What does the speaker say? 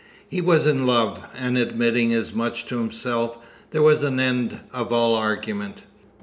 He was in love, and admitting as much to himself, there was an end of all argument.